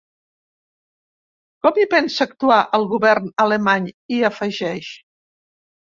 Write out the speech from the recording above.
Com hi pensa actuar el govern alemany?, hi afegeix.